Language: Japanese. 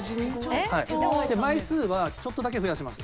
枚数はちょっとだけ増やします。